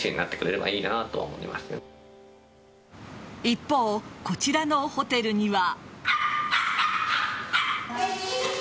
一方、こちらのホテルには。